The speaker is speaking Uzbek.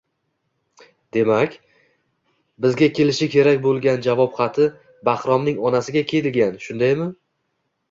Demak, bizga kelishi kerak bo`lgan javob xati Bahromning onasiga ketgan shundaymi